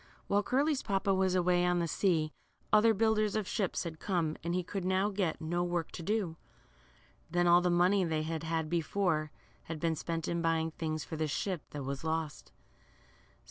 While Curly's papa was away on the sea, other builders of ships had come, and he could now get no work to do. Then all the money they had had before, had been spent *■ in buying things for the ship that was lost.